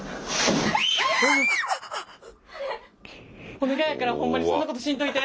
お願いやからホンマにそんなことしんといて！